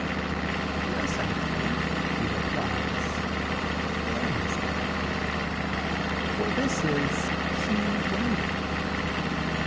"Yes, I do," he replies. "Then is He coming. For this is He waiting.